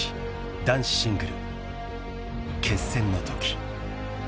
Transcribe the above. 男子シングル決戦のとき］